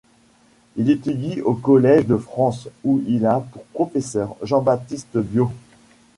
Il étudie au Collège de France où il a pour professeur Jean-Baptiste Biot.